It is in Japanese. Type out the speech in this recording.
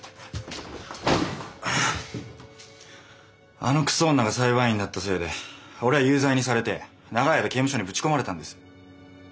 あのクソ女が裁判員だったせいで俺は有罪にされて長い間刑務所にぶち込まれたんです。